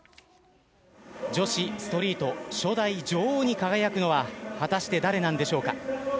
女子ストリート、初代女王に輝くのは、果たして誰なんでしょうか。